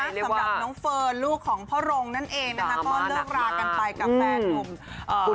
สำหรับน้องเฟิร์นลูกของพ่อรงนั่นเองนะคะก็เลิกรากันไปกับแฟนนุ่ม